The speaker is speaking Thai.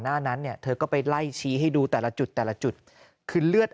หน้านั้นเนี่ยเธอก็ไปไล่ชี้ให้ดูแต่ละจุดแต่ละจุดคือเลือด